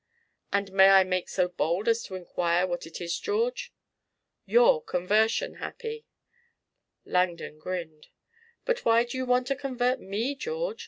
"And may I make so bold as to inquire what it is, George?" "Your conversion, Happy." Langdon grinned. "But why do you want to convert me, George?